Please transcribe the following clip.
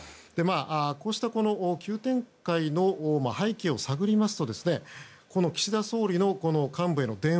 こうした急展開の背景を探りますと岸田総理の幹部への電話。